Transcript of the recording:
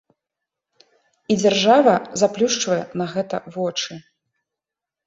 І дзяржава заплюшчвае на гэта вочы.